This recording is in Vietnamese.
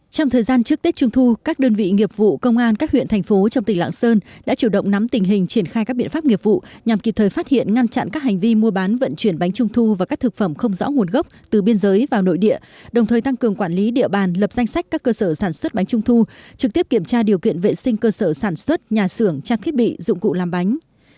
trong thời gian trước tết trung thu các đơn vị nghiệp vụ công an các huyện thành phố trong tỉnh lạng sơn đã chủ động nắm tình hình triển khai các biện pháp nghiệp vụ nhằm kịp thời phát hiện ngăn chặn các hành vi mua bán vận chuyển bánh trung thu và các thực phẩm không rõ nguồn gốc từ biên giới vào nội địa đồng thời tăng cường quản lý địa bàn lập danh sách các cơ sở sản xuất bánh trung thu trực tiếp kiểm tra điều kiện vệ sinh cơ sở sản xuất nhà xưởng trang thiết bị dụng cụ làm bánh